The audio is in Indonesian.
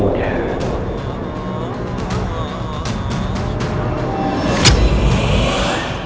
koperasiacak anak muda